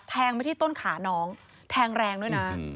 ไปที่ต้นขาน้องแทงแรงด้วยนะ